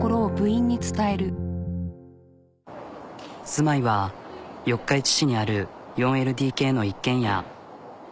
住まいは四日市市にある４ＬＤＫの一軒家。